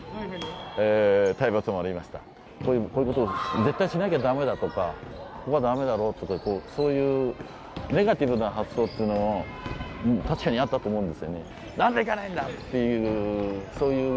絶対しなきゃ駄目だとか、ここは駄目だろうとかそういうネガティブな発想というのも確かにあったと思うんです。